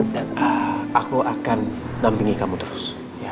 dan aku akan nampingi kamu terus